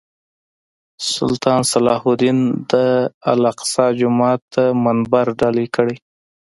سلطان صلاح الدین د الاقصی جومات ته منبر ډالۍ کړی.